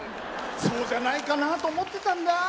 そうじゃないかなと思ってたんだ。